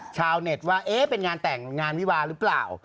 ชาวเน็ตว่าเอ๊ะเป็นงานแต่งงานวิวาหรือเปล่า